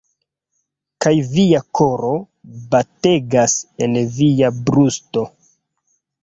Kaj via koro bategas en via brusto